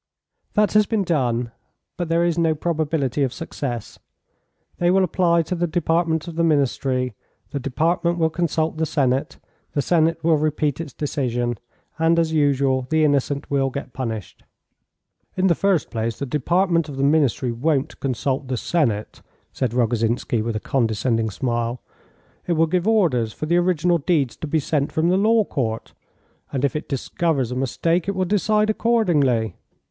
"That has been done, but there is no probability of success. They will apply to the Department of the Ministry, the Department will consult the Senate, the Senate will repeat its decision, and, as usual, the innocent will get punished." "In the first place, the Department of the Ministry won't consult the Senate," said Rogozhinsky, with a condescending smile; "it will give orders for the original deeds to be sent from the Law Court, and if it discovers a mistake it will decide accordingly.